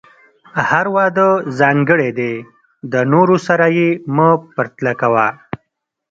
هر واده ځانګړی دی، د نورو سره یې مه پرتله کوه.